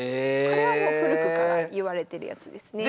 これはもう古くからいわれてるやつですね。